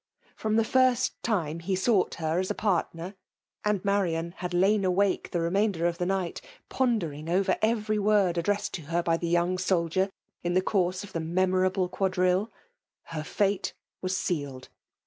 — From the fibrst time he sought her as a part ner,— (and Marian had lain awake the re mainder of the night, pondering over every word addressed to her by the young soldier in the course of the memorable quadrille) — her fate was sealed.